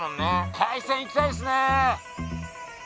海鮮行きたいですね！